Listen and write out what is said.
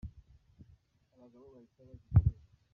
Abagabo bahita bagira ubwoba.